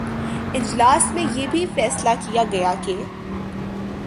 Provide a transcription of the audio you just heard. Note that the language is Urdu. اجلاس میں یہ بھی فیصلہ کیا گیا کہ